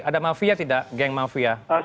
ada mafia tidak geng mafia